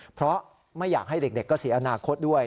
เพราะไม่อยากให้เด็กก็เสียอนาคตด้วย